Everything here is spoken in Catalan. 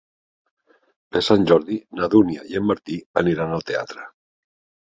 Per Sant Jordi na Dúnia i en Martí aniran al teatre.